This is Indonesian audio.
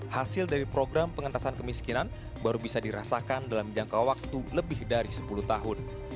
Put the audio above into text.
hasil dari program pengentasan kemiskinan baru bisa dirasakan dalam jangka waktu lebih dari sepuluh tahun